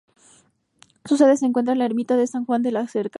Su sede se encuentra en la ermita de San Juan de la Cerca.